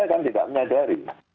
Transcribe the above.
kan tidak menyadari